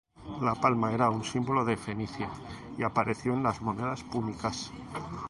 La palma era un símbolo de Fenicia y apareció en las monedas púnicas.